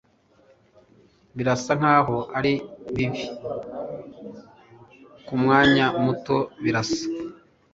Birasa nkaho ari bibi kumwanya muto birasa